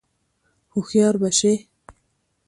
هوښیار به شې !